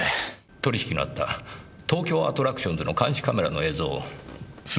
取引のあった東京アトラクションズの監視カメラの映像を全て送って下さい。